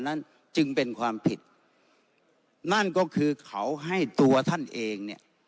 นั้นจึงเป็นความผิดนั่นก็คือเขาให้ตัวท่านเองเนี่ย